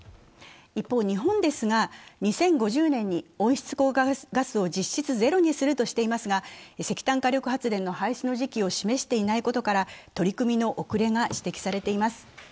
一方、日本ですが、２０５０年に温室効果ガスを実質ゼロにするとしていますが石炭火力発電の廃止の時期を示していないことから取り組みの遅れが指摘されています。